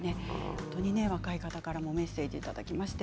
本当に若い方からもメッセージいただきました。